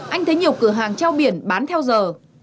anh thấy nhiều cửa hàng treo biển bán theo giờ